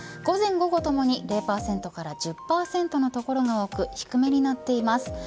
午前午後ともに０％から１０％の所が多く低めになっています。